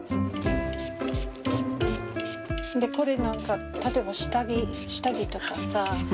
これなんか例えば下着とかさ。